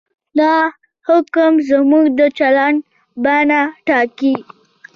دا حکم زموږ د چلند بڼه ټاکي.